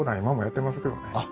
今もやってますけどね。